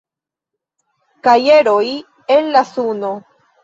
Kajeroj el la Sudo.